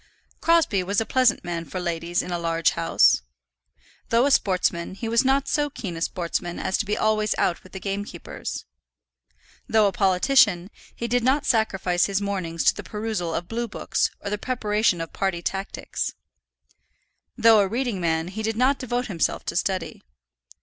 Crosbie was a pleasant man for ladies in a large house. Though a sportsman, he was not so keen a sportsman as to be always out with the gamekeepers. Though a politician, he did not sacrifice his mornings to the perusal of blue books or the preparation of party tactics. Though a reading man, he did not devote himself to study.